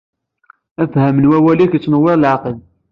Afham n wawal-ik ittnewwir leɛqel.